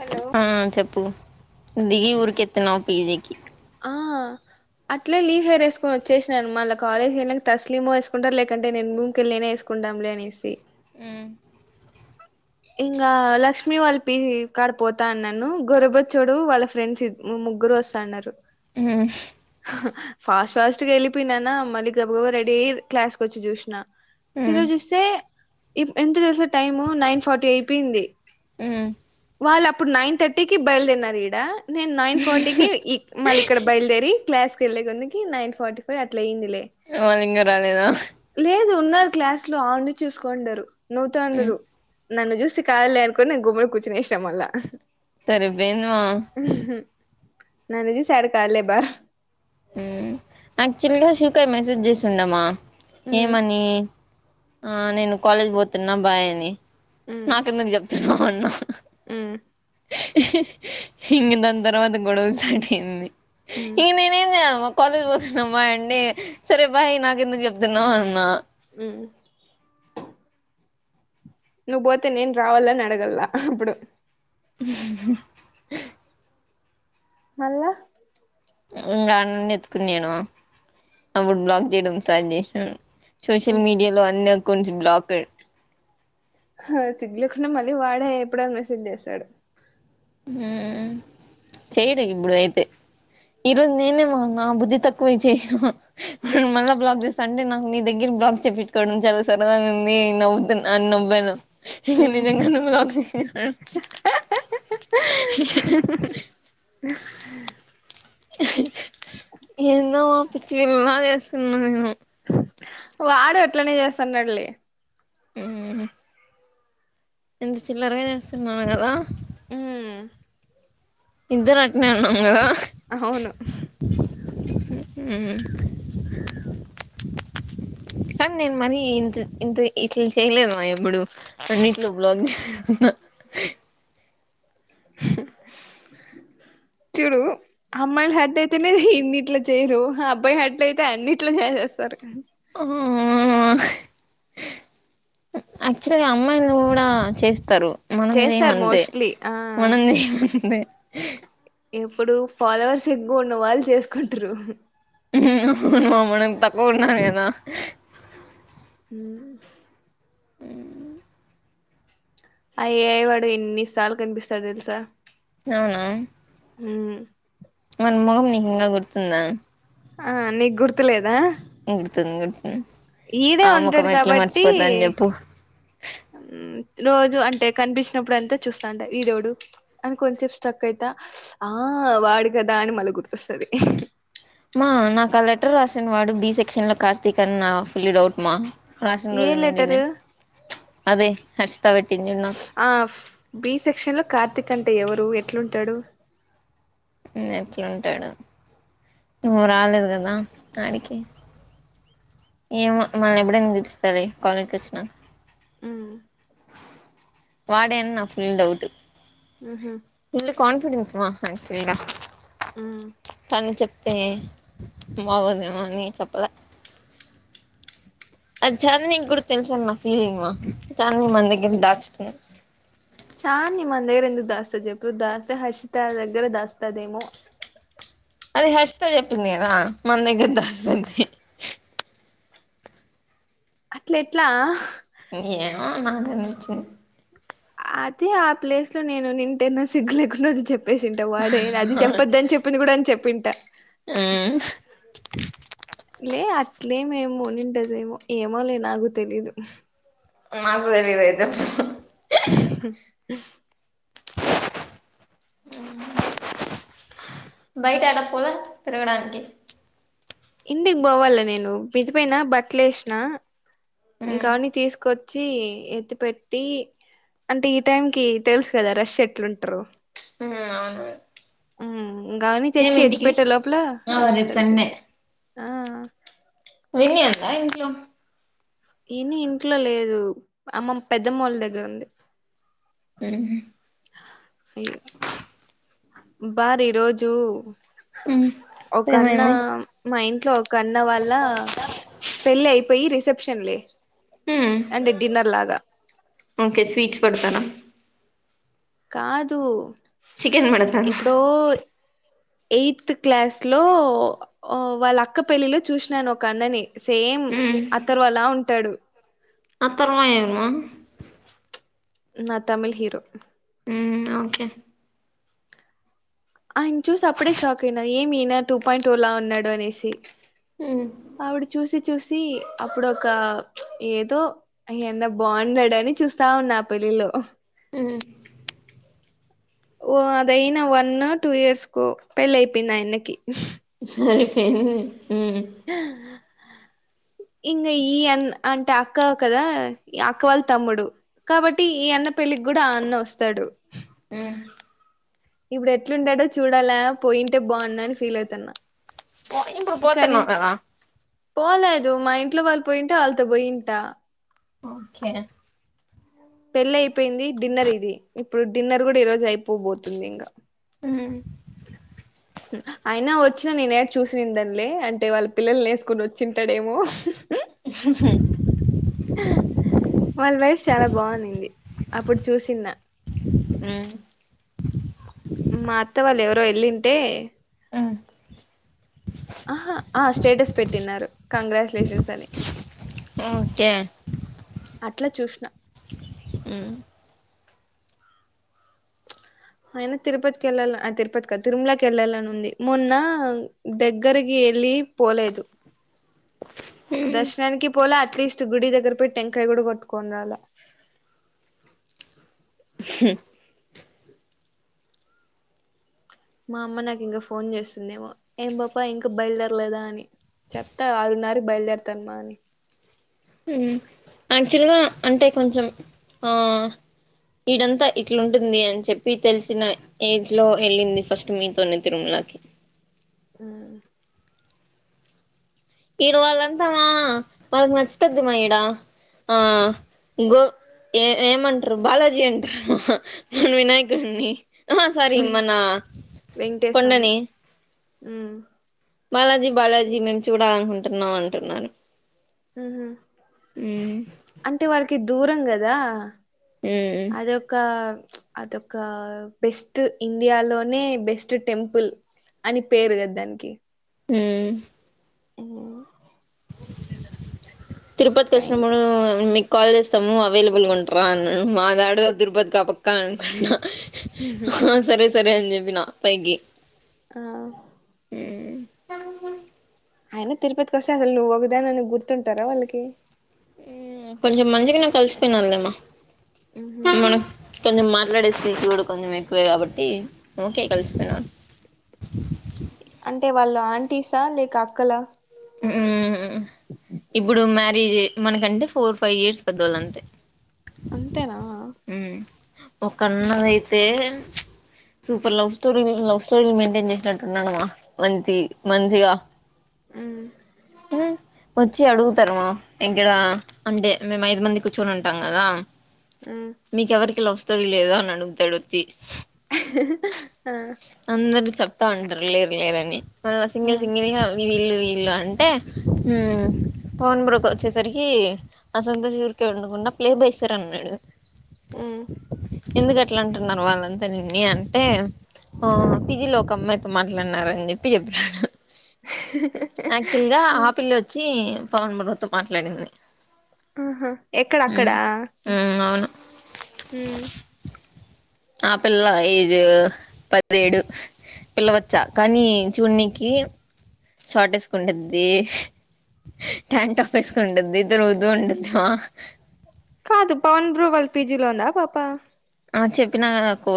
Hello ఆ చెప్పు దిగి ఉరికెత్తినవు పి జీ కి ఆ అట్లే లీవ్ హెయిర్ ఎసుకొని వచ్చేసినాను మళ్ళ కాలేజ్ వెళ్ళినంక తస్లిమో వేసుకుంటారు లేకంటే నేను భూకెళ్ళ నేనే ఎస్ కుంటాం లే అనేసి మ్మ్ ఇంగా లక్ష్మీ వాళ్ళ పి జీ కాడ పోతాన్నాను గొరబొచ్చోడు వాళ్ళ ఫ్రెండ్స్ ఇద్ ముగ్గురు వస్తన్నారు మ్మ్ ఫాస్ట్ ఫాస్ట్గా వెళ్ళిపోయినానా మళ్ళీ గబా గబా రెడీ అయి క్లాస్కి వచ్చి చూసినా ఉమ్ తిరిగుచుస్తే ఎంతా తెలుసా టైము నైన్ ఫార్టీ అయిపోయింది మ్మ్ వాళ్ళు అప్పుడు నైన్ థర్టీకి బయలుదేరినారు ఈడ నేను నైన్ ఫార్టీకి మళ్ళీ ఇక్కడ బయలుదేరి క్లాస్కి వెళ్ళే కొందుకి నైన్ ఫార్టీ ఫైవ్ అట్లా అయ్యింది లే వాళ్ళు ఇంగ రాలేదా లేదు ఉన్నారు క్లాస్ లో ఆడనే చూసుకోండరు ఉమ్ నవ్వుతండరు నన్ను చూసి కాదులే అనుకుని నేను గమ్మున కూర్చునేసిన మళ్ళ సరిపోయింది మా నన్ను చూసి యాడ కాదు లే బా మ్మ్ యాక్చువల్గా షూకర్ మెసేజ్ చేసిండమ్మ మ్మ్ ఏమని ఆ నేను కాలేజ్ పోతున్నా బాయ్ అని మ్మ్ నాకెందుకు చెప్తున్నావ్ అన్నా మ్మ్ ఇంకా దాని తర్వాత గొడవ స్టార్ట్ అయ్యింది మ్మ్ ఇంగ నేను అమ్ కాలేజ్ పోతున్నామ్మా అండి సరే బాయ్ నాకెందుకు చెప్తున్నావు అన్నా మ్మ్ నువ్వు పోతే నేను రావాల అని అడగల్ల అప్పుడు మళ్ళ ఇంగా అడానుండి ఎతుకున్నా నేను అప్పుడు బ్లాక్ చేయడం స్టార్ట్ చేసాను సోషల్ మీడియాలో అన్ని అకౌంట్స్ బ్లా [unintelligible] ఆ సిగ్గు లేకుండామళ్ళీ వాడే ఎప్పుడ మెసేజ్ చేసాడు చేయడు ఇప్పుడు అయితే ఈరోజు నేనే మా నా బుద్ధి తక్కువే చేయ మళ్ళా బ్లాక్ చేస్తా అంటే నాకు మీ దగ్గర బ్లాక్ చేపట్టుకోవడం చాల సరదగా ఉంది నవ్వుతు మ్మ్ [unintelligible] ఎన్నో మా పిచ్చిపిల్లల చేస్తున్న నేను వాడు అట్లానే చేస్తున్నాడు లే హు ఎంత చిల్లరగా చేస్తున్నాను కదా మ్మ్ ఇద్దరం అట్నే ఉన్నాం గదా అవును హు కానీ నేను మరి ఇంత ఇంత ఇట్లా చేయలేదు మా ఎప్పుడు అన్నిట్లో [unintelligible] చూడు అమ్మాయిల హట్ట్ అయితేనే ఇన్నిట్లో చేయరు అబ్బాయి హట్ అయితే అన్నింటిలో చేసేస్తారు ఆ యాక్చువల్గ అమ్మాయి కూడ చేస్తారు మనం చేస్తారు చేయమంతే మోస్ట్లీ ఆ మనం చేయమందే ఎప్పుడు ఫాలోవర్స్ ఎక్కువ ఉన్న వాళ్ళు చేసుకుంటారు అవును మనం తక్కువ ఉన్నాం [unintelligible] హు అ [unintelligible] వాడు ఎన్నిసార్లు కనిపిస్తాడు తెలుస అవునా హు వాణి మొహం నీకు ఇంకా గుర్తుందా ఆ నీకు గుర్తులేద [unintelligible] ఈడే ఆ ముఖం ఉంటాడు ఎట్లా కాబట్టి మర్చిపోతాను చెప్పు రోజు అంటే కనిపించినప్పుడు అంత చూస్తాంట ఈడోడు అని కొంచసేపు స్ట్రక్ అయిత ఆ వాడు కదా అని మళ్ళ గుర్తొస్తది మా నాకు ఆ లెటర్ రాసను వాడు బి సెక్షన్ లో కార్తీక్ అని నా ఫుల్ డౌట్మా [unintelligible] ఏ రోజు నుండి లెటరు అదే [unintelligible] బి సెక్షన్లో కార్తిక్ అంటే ఎవరు ఎట్లుంటాడు ఎట్లుంటాడు నువ్వు రాలేదు కద ఆడికి ఏమో మనల్ని ఎప్పుడైన చూపిస్తాలే కాలేజ్కి వచ్చిన ఉ వాడే అని నా ఫుల్ డౌట్ ఉహు ఫుల్లు కాన్ఫిడెన్స్ మా ఫ్రెండ్స్ ఇల్లా ఉమ్ కానీ చెప్తే బాగోదేమో అని చెప్పలే అది చాందినికి కూడా తెలిసని నా ఫీలింగ్ మా చాలామందికి దాచింది చాంది మన దరగ్గ ఎందుకు దాస్తాది చెప్పు దాస్తే హర్షిత దగ్గర దాస్తదేమో అది హర్షతో చెప్పింది కదా మన దగ్గర దస్తాంది అట్ల ఎట్లా ఏమో నాకు తెలిసి అదే ఆ ప్లేస్లో నేనుఉండిటనే సిగ్లేకుడా వచ్చి చెప్పేసింటే వాడే అది చెప్పొద్దని చెప్ప ప్పిది కూడా అని చెప్పింట ఉమ్ లే లేమెమో అని ఉంటదేమో ఏమోలే నాకు తెలీదు మాకు తెలియదు అయితే బయట ఎడకు పోలే తిరగడానికి ఇంటికి పోవాలి నేను విజిపోయినా బట్టలు వేసిన ఉమ్ ఇంకావన్న తీసుకొచ్చి ఎత్తి పెట్టి అంటే ఈ టైంకి తెలుసు కదా రష్ ఎట్లుంటారో అవును ఉ ఇగవన్ని ఏమి తెచ్చి ఎత్తి ఇంటికి పెట్టే లోపల ఆ రష్ రేపు సండే తగ్గుతుంది ఆ పోయినయా అంతా ఇంట్లో ఏని ఇంట్లో లేదు అమ్మ పెద్దమ్మ వాళ్ళ దగ్గరుంది ఉహు బారి ఈరోజు ఉమ్ ఒకన్న ఏమైంది మా ఇంట్లో ఒక అన్న వాల్ళ పెళ్లి అయిపోయి రిసెప్షన్లే ఉమ్ అంటే డిన్నర్ లాగా ఓకే స్వీట్స్ పడతానా కాదు చికెన్ పెడతారా ఇప్పుడు ఎయిత్ క్లాస్లో వాళ్ళ అక్క పెళ్ళిలో చూసినాను ఒక అన్నని సేమ్ మ్మ్ అతరు అలా ఉంటాడు అత్తర్వమా ఎవరు నా తమిళ్ హీరో ఉ ఓకే ఆయని చూసి అప్పుడే షాక్ అయినా ఏమి ఇయనా టూ పాయింట్ ఓ లా ఉన్నాడు అనేసి ఉ ఆవిడ చూసి చూసి అప్పుడు ఒక ఏదో అయ్యన్నా బాగున్నాడని చూస్తా ఉన్నా పెళ్ళిలో ఉ ఓ అదయిన వన్ టూ ఇయర్స్ కో పెళ్ళి అయిపోయింది ఆయన్న కి సరిపోయింది ఉ ఇంగ ఈ అన్ అంటే అక్క కదా ఈ అక్క వాళ్ళ తమ్ముడు కాబట్టి ఈ అన్న పెళ్ళికి కూడా ఆ అన్న వస్తడు ఉ ఇప్పుడు ఎట్లుంటాడో చూడాలా పోయింటే బాగుండు అని ఫీల్ అయితున్న ఓ ఇప్పుడు పోతున్నావ్ కదా పోలేదు మా ఇంట్లో వాళ్ళు పోయింటే వాళ్ళతో పోయింటా. ఓకే పెళ్లి అయిపోయింది డిన్నర్ ఇది ఇప్పుడు డిన్నర్ గుడా ఈ రోజు అయిపోబోతుంది ఇంగ ఆ అయినా వచ్చిన నేన్ యాడ చూసిడాన్ లే అంటే వాళ్ళ పిల్లలు నేసుకోని వచ్చింటాడేమో హ్హ్హ్ వాళ్ళ వైఫ్ చాలా బావునింది అప్పుడు చూసిన్న ఆ మాఅత్త వాళ్ళు ఎవరో యేళ్ళింటే ఆ ఆహా ఆ స్టేటస్ పెట్టిన్నారు కంగ్రాచ్యులేషన్స్ అని ఓకే అట్ల చూసిన ఆ అయన తిరుపతికి వెళ్ళాల తిరుపతి కదు తిరుమల కేళ్ళాలని ఉంది మొన్న దగ్గరికి యేళ్లి పోలేదు దర్శనానికి పోల అట్లీస్ట్ గుడి దగ్గర పోయి టెంకాయ కూడా కొట్టుకుని రాలె హ్ మా అమ్మ నాకు ఇంకా ఫోన్ చేస్తుందేమో ఏం పాప ఇంకా బయలుదేరలేదా అని చెప్తా ఆరున్నరకి బయలుదేరతానమా అని ఉ యాక్చువల్గా అంటే కొంచెం ఆ ఇడంతా ఇట్లాంటుంది అని చెప్పి తెలిసినై ఏజ్ లో యేళ్ళింది ఫస్ట్ మీతోనే తిరుమలకి ఉ ఈరోజంతా మనకు నచ్చుతదమ్మా ఈడ ఆ ఇంగో ఏ ఏమంటారు అబ్బ బాలాజీ అంటార వినాయకుడిని ఆహ సారి మనా కొండని ఆ బాలాజీ బాలాజీ మేము చూడాలనుకుంటున్నాం అంటున్నాను. ఆహా అంటే వాళ్ళ కి దూరం కదా ఉమ్ అదొక అదొక బెస్ట్ ఇండియాలోనే బెస్ట్ టెంపుల్. అని పేరు కద దానికి ఆ ఆ తిరుపతి కైండ్ కొచ్చినపుడు మీ కాల్ చేస్తాము అవైలబుల్గా ఉంటారా అన్నాను మా దాడు తిరుపతికి ఆ పక్క అనుకుంటున్నా. హ సరే సరే అని చెప్పిన పైకి ఆ అయన తిరుపతికి వస్తే అసలు నువ్వు ఒకదానివి అని గుర్తుంటారా వాళ్ళకి మ్ కొంచెం మంచిగా నే కలిసిపోయినాము లేమ్మ ఉహు. మనం కొంచం మాట్లాడేస్తంది చూడు కొంచెం ఎక్కువే కాబట్టి ఓకే కలుస్తున్నాను అంటే వాళ్ళు ఆంటీసా, లేక అక్కలా? మ్మ్ ఇప్పుడు మ్యారేజ్ మనకంటే ఫోర్ ఫైవ్ ఇయర్స్ పెద్దవాళ్ళు అంతే అంతేనా ఊమ్ ఉమ్. ఒకన్నదైతే సూపర్ లవ్ స్టోరీ లవ్ స్టోరీలు మెయింటైన్ చేసినట్టున్నాడమా మంచి మంచిగా ఊమ్ మ్మ్ వచ్చి అడుగుతనవా ఇంకా ఈడ అంటే మేము ఐదు మంది కూర్చొని ఉంటాం కదా ఊమ్ మీకెవరికి లవ్ స్టోరీ లేదా అని అడుగుతాడు వచ్చి ఆ అందరు చెప్తా ఉంటారు లేరు లేరని మన సింగిల్ సింగిలిగా వీళ్ళు వీళ్ళు అంటే ఊ పవన్ బ్రోకి వచ్చేసరికి అ సంతోష్ ఊరికే వుండకుండా ప్లే బయ్ సార్ అన్నాడు ఉ ఎందుకు అట్లా అంటున్నారు వాళ్ళంతా నిన్ని అంటే ఆ పిజి లో ఒక అమ్మయ్ మాట్లాడినార అని చెప్పి చెప్పినాడు యాక్చువల్ గా ఆ పిల్లె వచ్చి పవన్ బ్రొ తో మాట్లాడింది ఆహా ఎక్కడ అక్కడా ఊ అవును ఊ ఆ పిల్ల ఏజ్ పదిహెడు పిల్ల బచ్చా కానీ చూనీకి షార్ట్ వేసుకుండిద్ది ట్యాంట్ప్ వేసుక ఉండద్ది ఇద్దరు ఉదు ఉండదివా కాదు పవన్ బ్రో వాళ్ళ పిజీలో ఉందా ఆ పాప ఆ చెప్పినా కదా కో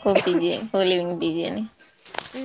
కో పీజి కోలీవింగ్ పీజి అని ఊ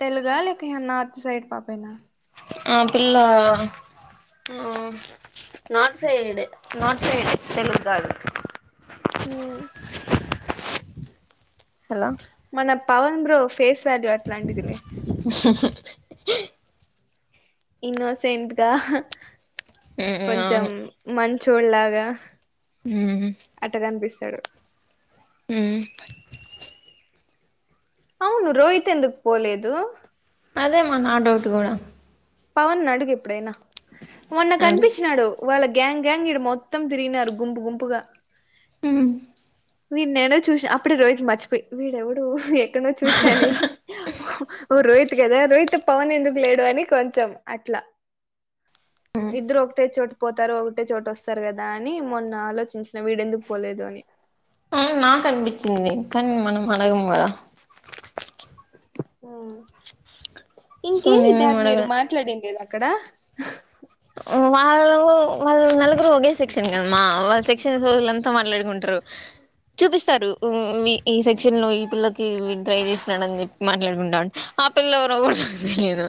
తెలుగ లేక ఇగ నార్త్ సైడ్ పాపెనా ఆ పిల్ల ఆ నార్త్ సైడె నార్త్ సైడె తెలుగు కాదు ఊ హలో మన పవన్ బ్రో ఫేస్ వాల్యూ అట్లాంటిదిలే హ్మ్ హ్మ్ హ్మ్ ఇన్నోసెంట్ గా ఊ కొంచెం మంచోడి లాగా అట్ట కనిపిస్తాడు ఊ అవును రోహిత్ ఎందుకు పోలేదు అదేమా నా డౌట్ కూడా పవన్ ని అడుగు ఎప్పుడైనా మొన్న అది కనిపిచినాడు వాళ్ళ గ్యాంగ్ గ్యాంగ్ ఇడ మొత్తం తిరిగినారు గుంపు గుంపుగా ఊ వీ నేనో చూసిన అప్పుడే రోహిత్ ని మర్చిపోయి వీడెవడు ఎక్కడనో చూసినానె ఓ ఓ రోహిత్ కదా రోహిత్ పవన్ ఎందుకు లేడు అని కొంచెం అట్లా ఇద్దరు ఒక్కటే చోట పోతారు ఒగటే చోట వస్తారు గదా అని మొన్న ఆలోచించ్న వీడెందుకు పోలేదు అని ఆ నాకన్పించింది కాన్ మనం అడగం గదా ఆ సో ఇంకేంది నేనేం భర్ మీరు అడగలే మాట్లాడిండేది అక్కడ ఊ వాళ్ళూ వాళ్ళ్ నలుగురు ఒగే సెక్షన్ గదమ్మా వాళ్ళ్ సెక్షన్సు విళ్ళంత మాట్లాడుకుంట్రు చూపిస్తారు ఉ వీ ఈ సెక్షన్ లో ఈ పిల్లకి డ్రైవ్ జేస్నాడన్ జొ మాట్లాడుకుంటాండ్ ఆ పిల్ల ఎవరో గుడ దెలీదు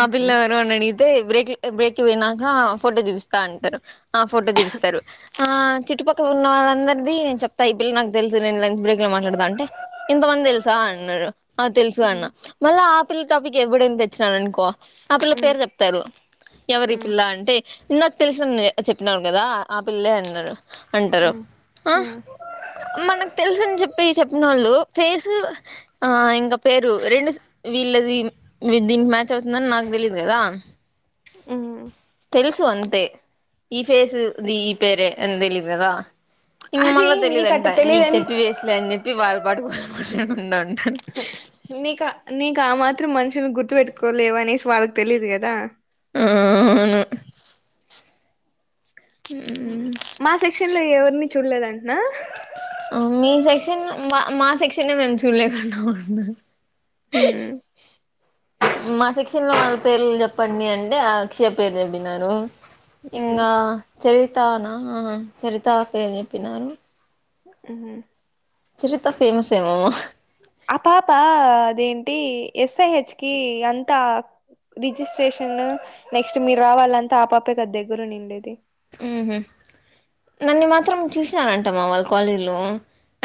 ఆ పిల్ల ఎవరు అని అడిగితే బేక్ళ్ ఏ బ్రేక్కి వొయినాంకా పోటో జూపిస్త అంటరు ఆ ఫోటో జూపిస్తరు ఆ చుట్టుపక్ ట్టు ఉన్న వాళ్ళందర్ది నేన్ చొప్తా ఈ పిల్ నాక్ దెల్సు నే లంచ్ బ్రేక్ లో మాట్లాడుతా అంటే ఇంతమంద్ దెల్సా అన్నడు ఆ తెల్సు అన్నా మళ్ళా ఆపిల్ల్ టాపికే ఎబ్బుడేన్ దెచ్చినానునుకో ఆపిల్ల పేర్ జేప్తారు ఎవరీ పిల్లా అంటే నాక్ తెలిసినన్ చెప్పినావ్ గదా ఆ పిల్లే అన్నడు అంటరు ఆ మనక్ తెల్సు అన్ చొప్పి చొప్పినోళ్ళు ఫేసు ఆ ఇంగ పేరు రెండు స వీళ్ళది వీడ్ దీన్కి మ్యాచ్ అవుతుందని నాగ్ దెలీదు గదా ఉహు తెలుసు అంతే ఈ ఫేసు దీ పేరే అన్ దెలీదు గదా ఇంగ అది మళ్ళా నీకట్ట దెలీదంట నీక్ తెలియదని చెప్పి వేస్ట్లే అన్ జొప్పి వాళ్ళ్ పాటుకు [unintelligible] నీకా నీకామాత్రం మనుషుల్ని గుర్తు వెట్టుకోలేవా అనేస్ వాళ్ళకి తెలీదు గదా ఆవును మా సెక్షన్ లో ఎవర్ని చూల్లేదంట్న ఆ మీ సెక్షన్ను మా మా సెక్షన్నే మేమ్ చూల్లేదనుకోకుండా హూ మా షెక్షణ్ లో వున్నొళ్ళు పేర్ల్ జొప్పన్ని అంటే ఆక్షియ పేర్ జొప్పినారు హ్మ్ ఇంగా చరితానా అహహా చరితా ఫేర్ జొప్పినారు ఉహు చరిత ఫేమస్ ఏమో ఆ పాపా అదేంటి ఎస్ఐహెచ్ కి అంతా రిజిస్ట్రేషన్ను నెక్స్టు మీర్ రావాలంతా ఆపాపే కదా దెగ్గురున్నిండేది ఊహు నన్ని మాత్రం చూస్నారంటా మా వాళ్ళ్ కాలేజ్ల్లో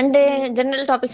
అంటే హ్మ్ జండ్రల్ టాపిక్స్